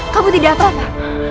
kamu tidak apa apa